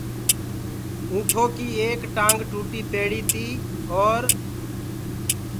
اُنٚٺوڪي ايڪ ٽآنٚگ ٽوٽي پيڙيٚ تي اورَ